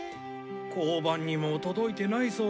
交番にも届いてないそうだ。